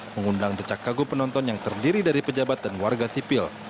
mengundang decak kagum penonton yang terdiri dari pejabat dan warga sipil